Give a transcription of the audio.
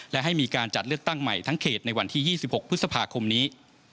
และให้มีการจัดเลือกตั้งใหม่ทั้งเขตในวันที่๒๖พฤษภาคมนี้